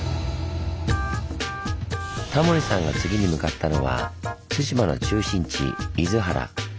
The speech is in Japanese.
タモリさんが次に向かったのは対馬の中心地厳原。